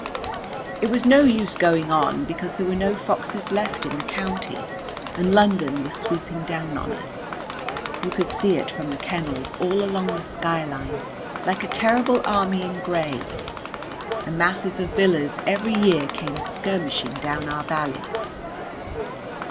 It was no use going on because there were no foxes left in the county, and London was sweeping down on us. You could see it from the kennels all along the skyline like a terrible army in grey, and masses of villas every year came skirmishing down our valleys.